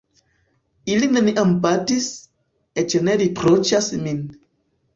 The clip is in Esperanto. Ili neniam batis, eĉ ne riproĉas min.